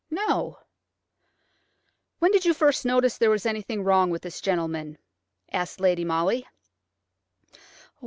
"No." "When did you first notice there was anything wrong with this gentleman?" asked Lady Molly.